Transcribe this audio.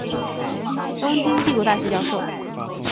东京帝国大学教授。